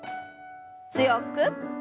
強く。